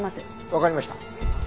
わかりました。